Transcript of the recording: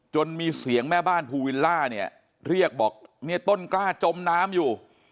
มีเสียงแม่บ้านภูวิลล่าเนี่ยเรียกบอกเนี่ยต้นกล้าจมน้ำอยู่